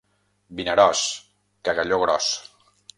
Vinaròs, cagalló gros.